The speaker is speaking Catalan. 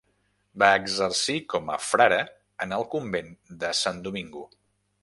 Va exercir com a frare en el convent de Sant Domingo.